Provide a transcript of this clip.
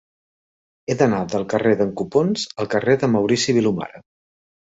He d'anar del carrer d'en Copons al carrer de Maurici Vilomara.